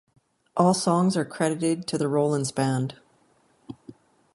All songs are credited to the Rollins Band.